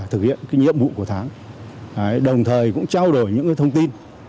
thực hiện nhiệm vụ của tháng đồng thời cũng trao đổi những thông tin